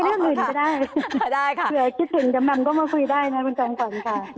เผื่อคิดถึงจำนำก็มาคุยได้นะคุณจองก่อนค่ะ